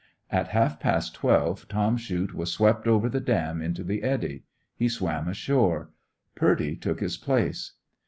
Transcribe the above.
At half past twelve Tom Clute was swept over the dam into the eddy. He swam ashore. Purdy took his place.